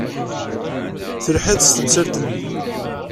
Telhiḍ-d s temsalt-nni.